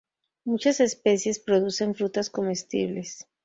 Muchas especies producen frutas comestibles.